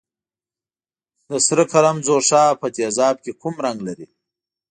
د سره کرم ځوښا په تیزاب کې کوم رنګ لري؟